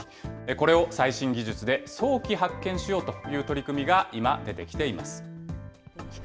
これを最新技術で早期発見しようという取り組みが今、出てきています。